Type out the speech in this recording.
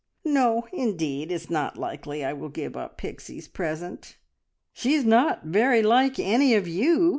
"No, indeed! It's not likely I will give up Pixie's present." "She is not very like any of you!"